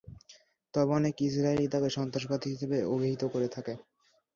তবে অনেক ইসরাইলী তাকে সন্ত্রাসবাদী হিসাবে অভিহিত করে থাকে।